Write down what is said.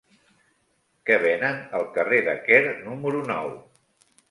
Què venen al carrer de Quer número nou?